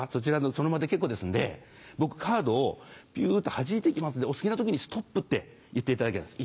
その場で結構ですんで僕カードをピュってはじいて行きますんでお好きな時に「ストップ」って行きます。